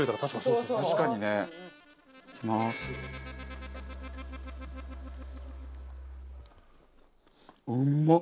うまっ！